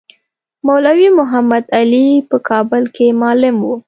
مولوی محمدعلي په کابل کې معلم وو.